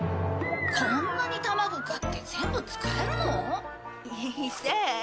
こんなにたまご買って全部使えるの？さあ？